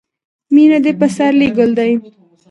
• مینه د پسرلي ګل دی.